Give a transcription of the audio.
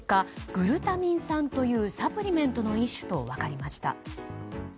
グルタミン酸というサプリメントの一種と分かりました。